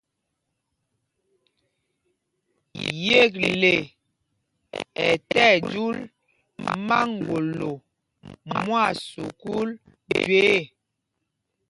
Yekle ɛ tí ɛjúl máŋgolo mwán sukûl jüe ɛ.